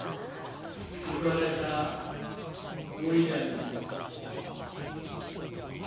報われた思いであります。